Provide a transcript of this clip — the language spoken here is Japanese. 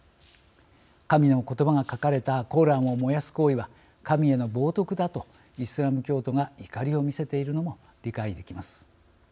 神の言葉が書かれたコーランを燃やす行為は神への冒とくだとイスラム教徒が怒りを見せているのも理解できます。